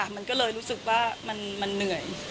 มันก็เลยรู้สึกว่ามันเหนื่อย